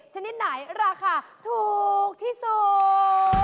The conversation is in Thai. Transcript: ชนิดไหนราคาถูกที่สุด